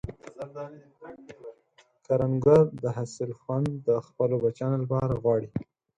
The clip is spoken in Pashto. کروندګر د حاصل خوند د خپلو بچیانو لپاره غواړي